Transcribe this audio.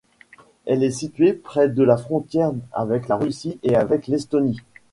Elle est située près de la frontière avec la Russie et avec l'Estonie.